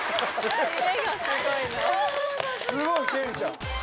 すごい天ちゃん。